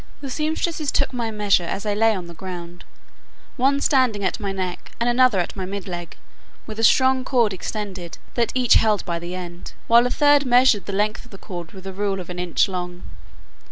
The sempstresses took my measure as I lay on the ground, one standing at my neck, and another at my mid leg, with a strong cord extended, that each held by the end, while a third measured the length of the cord with a rule of an inch long.